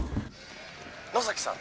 ☎野崎さん！